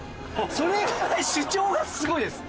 それぐらい主張がすごいです。